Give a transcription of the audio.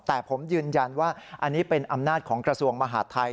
แต่ผมยืนยันว่าอันนี้เป็นอำนาจของกระทรวงมหาดไทย